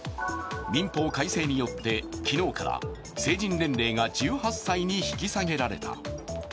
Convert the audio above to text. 民法改正によって昨日から成人年齢が１８歳に引き下げられた。